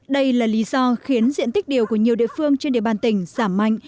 đây là lý do khiến diện tích điều của nhiều địa phương trên địa bàn tỉnh giảm mạnh